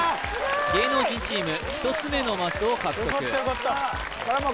芸能人チーム１つ目のマスを獲得よかったよかった